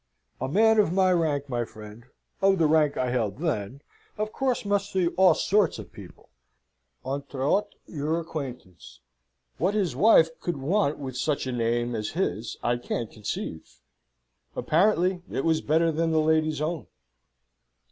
"A man of my rank, my friend of the rank I held then of course, must see all sorts of people entre autres your acquaintance. What his wife could want with such a name as his I can't conceive." "Apparently, it was better than the lady's own."